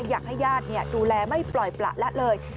อยากให้ญาติดูแลไม่ปล่อยประละเลย